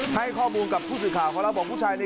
ให้ข้อมูลกับผู้สื่อข่าวของเรา